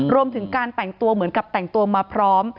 รวมถึงการแต่งตัวเหมือนกับแต่งตัวมาพร้อม